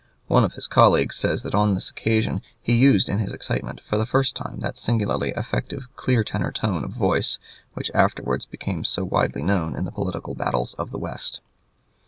One of his colleagues says that on this occasion he used in his excitement for the first time that singularly effective clear tenor tone of voice which afterwards became so widely known in the political battles of the West.